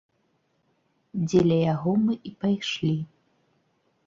Дзеля яго мы і пайшлі.